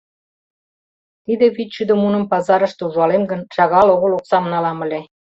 Тиде вичшӱдӧ муным пазарыште ужалем гын, шагал огыл оксам налам ыле.